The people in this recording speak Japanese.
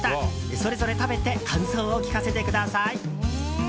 それぞれ食べて感想を聞かせてください。